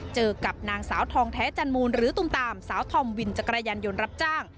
เจอกับนางสาวทองแท้จันมูลหรือตุมตามสาวธอมวินจักรยานยนต์รับจ้าง